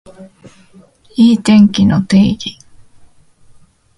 いい天気の定義